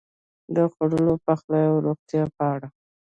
د خوړو، پخلی او روغتیا په اړه: